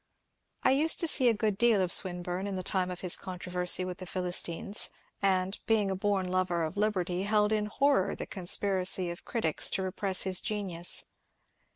I used to see a good deal of Swinburne in the time of his controversy with Philistines, and, being a bom lover of liberty, held in horror the conspiracy of critics to re press his genius.